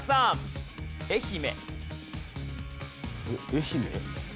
愛媛？